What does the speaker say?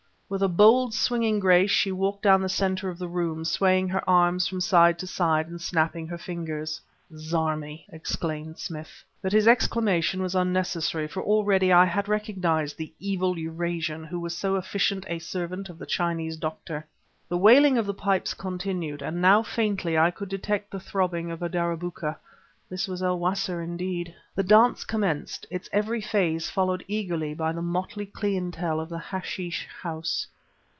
With a bold, swinging grace she walked down the center of the room, swaying her arms from side to side and snapping her fingers. "Zarmi!" exclaimed Smith. But his exclamation was unnecessary, for already I had recognized the evil Eurasian who was so efficient a servant of the Chinese doctor. The wailing of the pipes continued, and now faintly I could detect the throbbing of a darabûkeh. This was el Wasr indeed. The dance commenced, its every phase followed eagerly by the motley clientele of the hashish house.